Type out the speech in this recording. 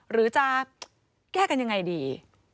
หรือจะแก้กันยังไงดี